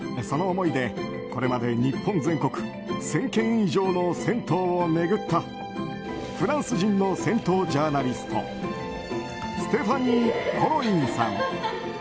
その思いでこれまで日本全国１０００軒以上の銭湯を巡ったフランス人の銭湯ジャーナリストステファニー・コロインさん。